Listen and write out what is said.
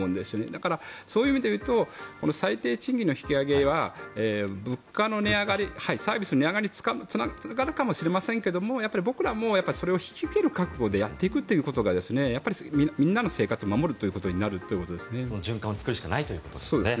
だから、そういう意味で言うと最低賃金の引き上げは物価の値上がりサービスの値上がりにつながるかもしれませんけれど僕らもそれを引き受ける覚悟でやっていくということがみんなの生活を守ることになっていくということですね。